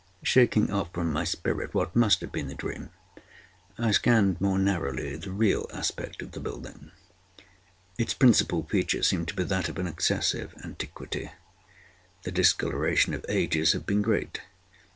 Shaking off from my spirit what must have been a dream, I scanned more narrowly the real aspect of the building. Its principal feature seemed to be that of an excessive antiquity. The discoloration of ages had been great.